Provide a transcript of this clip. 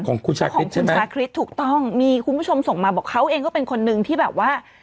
ของคุณชาคริสใช่ไหมชาคริสถูกต้องมีคุณผู้ชมส่งมาบอกเขาเองก็เป็นคนนึงที่แบบว่า